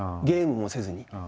ゲームもせずに。